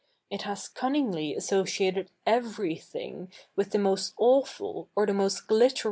It has cunningly asso ciated everything with the most awful or the most glitteri?